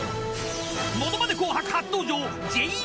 ［『ものまね紅白』初登場ＪＰ］